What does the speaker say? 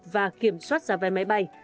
và kiểm soát giá vai máy bay